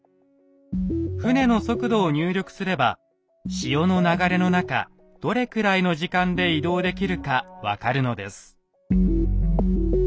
船の速度を入力すれば潮の流れの中どれくらいの時間で移動できるか分かるのです。